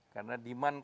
karena demand kontainer